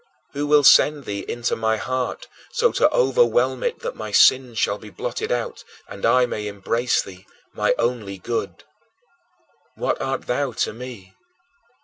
Who will send thee into my heart so to overwhelm it that my sins shall be blotted out and I may embrace thee, my only good? What art thou to me?